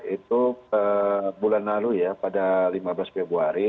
itu bulan lalu ya pada lima belas februari